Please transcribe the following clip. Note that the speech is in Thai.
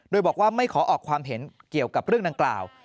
โดยบอกว่าไม่ขอออกความเห็นเกี่ยวกับเรื่องดังกล่าว